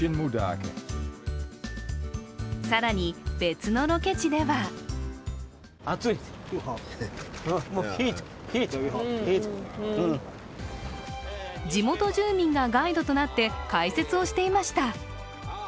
更に、別のロケ地では地元住民がガイドとなって解説をしていました。